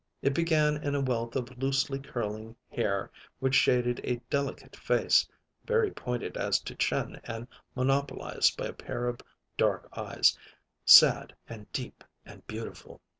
It began in a wealth of loosely curling hair which shaded a delicate face, very pointed as to chin and monopolized by a pair of dark eyes, sad and deep and beautiful.